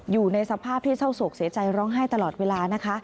อยู่ในสภาพที่เศร้าโศกเสียใจร้องไห้ตลอดเวลานะคะ